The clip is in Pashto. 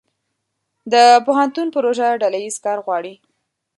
د پوهنتون پروژه ډله ییز کار غواړي.